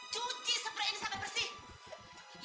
cuci seberang ini sampe bersih